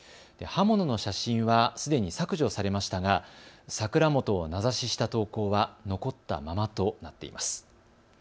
刃物の写真はすでに削除されましたが桜本を名指しした投稿は残ったままとなっています。